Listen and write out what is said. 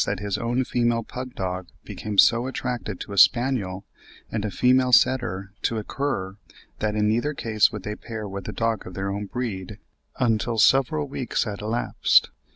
that his own female pug dog became so attached to a spaniel, and a female setter to a cur, that in neither case would they pair with a dog of their own breed until several weeks had elapsed.